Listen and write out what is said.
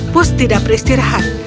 pus tidak beristirahat